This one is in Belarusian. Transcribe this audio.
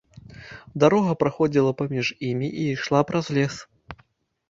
Дарога праходзіла паміж імі і ішла праз лес.